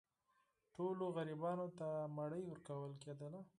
ټولو غریبانو ته ډوډۍ ورکول کېدله.